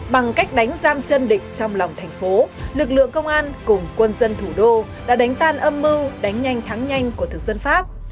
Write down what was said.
bằng cách đánh giam chân địch trong lòng thành phố lực lượng công an cùng quân dân thủ đô đã đánh tan âm mưu đánh nhanh thắng nhanh của thực dân pháp